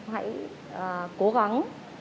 sẽ cố gắng